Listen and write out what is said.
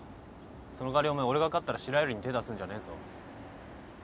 その代わりお前俺が勝ったら白百合に手ぇ出すんじゃねえぞ。